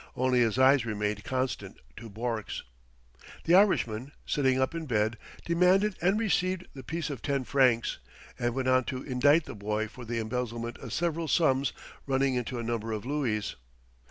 Only his eyes remained constant to Bourke's. The Irishman, sitting up in bed, demanded and received the piece of ten francs, and went on to indict the boy for the embezzlement of several sums running into a number of louis.